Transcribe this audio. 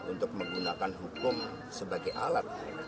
untuk menggunakan hukum sebagai alat